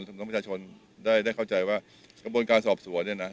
ทำให้ประชาชนได้เข้าใจว่ากระบวนการสอบสวนเนี่ยนะ